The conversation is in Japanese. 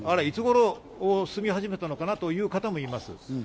いつごろ住み始めたのかな？という方もいます。